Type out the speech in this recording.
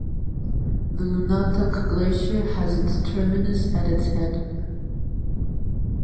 The Nunatak Glacier has its terminus at its head.